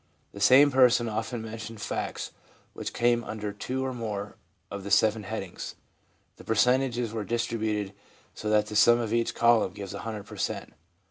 The same person often mentioned facts which came under two or more of the seven headings. The percentages were distributed so that the sum of each column gives 100 per cent.